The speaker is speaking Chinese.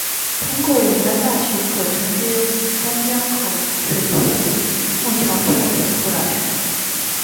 通过引丹大渠可承接丹江口水库及孟桥川水库来水。